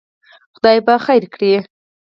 خدای به خیر کړي.